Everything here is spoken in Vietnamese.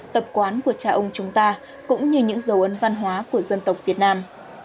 tập quán của cha ông chúng ta cũng như những dấu ấn văn hóa của dân tộc việt nam